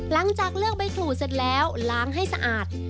หลังจากเลือกใบขู่เสร็จแล้วล้างให้สะอาด